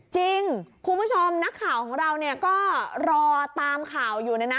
จริงคุณผู้ชมนักข่าวของเราก็รอตามข่าวอยู่นะนะ